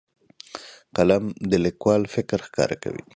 قلم د لیکوال فکر ښکاره کوي.